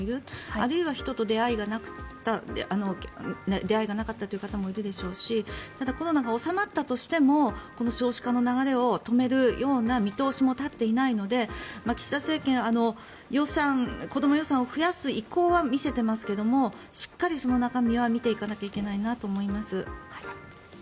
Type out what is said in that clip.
あるいは、人と出会いがなかった方もいるでしょうしただ、コロナが収まったとしてもこの少子化の流れを止めるような見通しも立っていないので岸田政権子ども予算を増やす意向は見せていますけどもしっかりその中身は見ていかなきゃいけないなと思います。